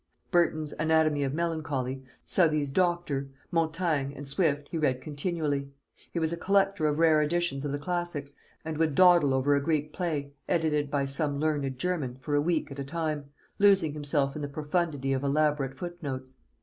Burton's Anatomy of Melancholy, Southey's Doctor. Montaigne, and Swift, he read continually. He was a collector of rare editions of the Classics, and would dawdle over a Greek play, edited by some learned German, for a week at a time, losing himself in the profundity of elaborate foot notes.